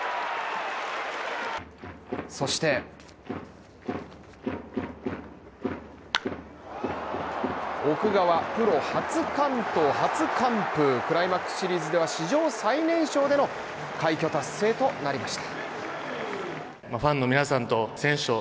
そして奥川はプロ初完投初完封、クライマックスシリーズでは史上最年少での快挙達成となりました。